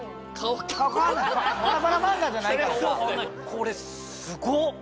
これすごっ！